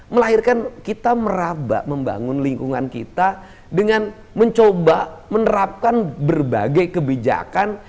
melahirkan kita merabak membangun lingkungan kita dengan mencoba menerapkan berbagai kebijakan